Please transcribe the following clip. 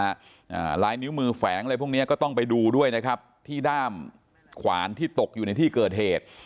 อ่าลายนิ้วมือแฝงอะไรพวกเนี้ยก็ต้องไปดูด้วยนะครับที่ด้ามขวานที่ตกอยู่ในที่เกิดเหตุ